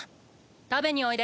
食べにおいで。